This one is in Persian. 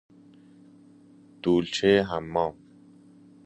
دولچه حمام